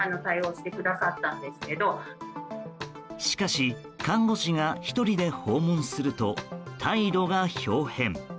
しかし、看護師が１人で訪問すると態度が豹変。